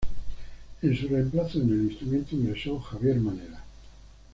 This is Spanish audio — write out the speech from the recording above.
En su reemplazo en el instrumento ingresó Javier Manera.